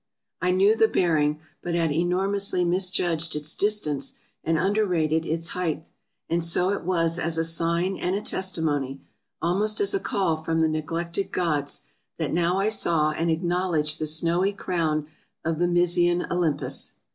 I knew the bearing, but had enormously misjudged its dis tance and underrated its height, and so it was as a sign and a testimony — almost as a call from the neglected gods, that now I saw and acknowledged the snowy crown of the Mysian Olympus